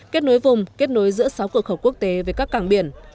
kết nối vùng kết nối giữa sáu cửa khẩu quốc tế với các cảng biển